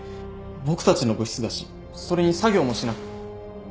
僕たちの部室だしそれに作業もしな。